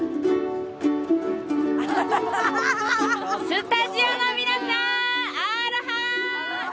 スタジオの皆さん、アロハ。